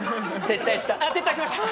撤退しました。